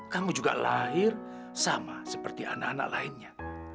kamu juga lahir sama seperti anak anak lainnya